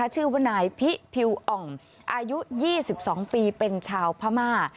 ชื่อว่านายพิพิวอ่องอายุ๒๒ปีเป็นชาวพม่า